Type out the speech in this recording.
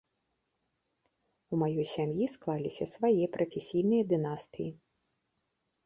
У маёй сям'і склаліся свае прафесійныя дынастыі.